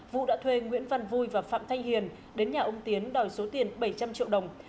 vũ đã thuê nguyễn văn vui và phạm thanh hiền đến nhà ông tiến đòi số tiền bảy trăm linh triệu đồng